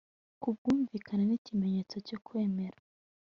ku bwumvikane n ikimenyetso cyo kwemera